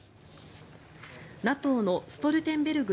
ＮＡＴＯのストルテンベルグ